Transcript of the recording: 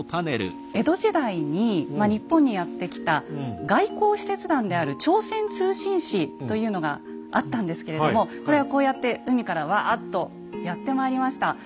江戸時代に日本にやって来た外交使節団である「朝鮮通信使」というのがあったんですけれどもこれはこうやって海からワーッとやってまいりました。